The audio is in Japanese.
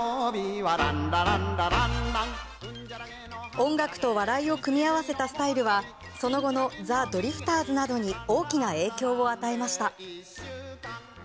音楽と笑いを組み合わせたスタイルはその後のザ・ドリフターズなどに大きな影響を与えました。